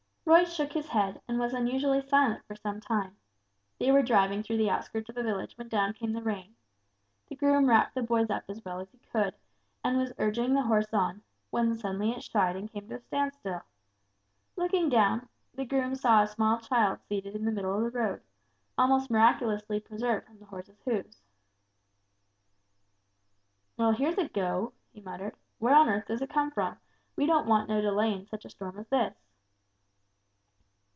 Roy shook his head, and was unusually silent for some time. They were driving through the outskirts of a village when down came the rain. The groom wrapped the boys up as well as he could, and was urging the horse on, when it suddenly shied and came to a standstill. Looking down, the groom saw a small child seated in the middle of the road, almost miraculously preserved from the horse's hoofs. "Well, here's a go," he muttered; "where on earth does it come from, we don't want no delay in such a storm as this!"